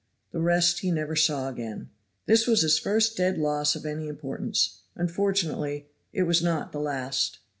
The rest he never saw again. This was his first dead loss of any importance; unfortunately, it was not the last.